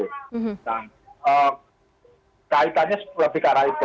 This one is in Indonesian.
nah kaitannya lebih ke arah itu